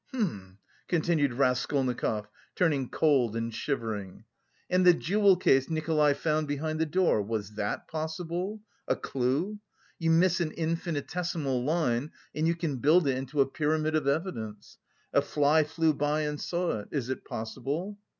Hm..." continued Raskolnikov, turning cold and shivering, "and the jewel case Nikolay found behind the door was that possible? A clue? You miss an infinitesimal line and you can build it into a pyramid of evidence! A fly flew by and saw it! Is it possible?"